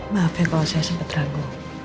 maafin kalau saya sempat ragu